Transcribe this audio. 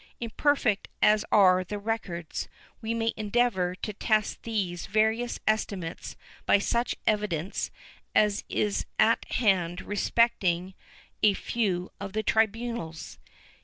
^ Imperfect as are the records, we may endeavor to test these various estimates by such evidence as is at hand respecting a few of the tribunals.